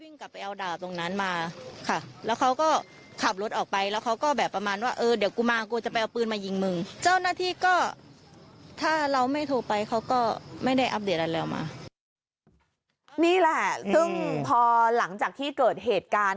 นี่แหละซึ่งพอหลังจากที่เกิดเหตุการณ์